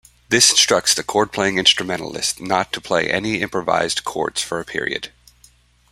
This instructs the chord-playing instrumentalist not to play any improvised chords for a period.